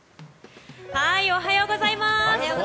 おはようございます。